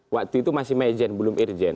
waktu itu masih majen belum irjen